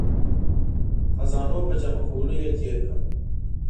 خزانو په جمع کولو یې تیر کړ.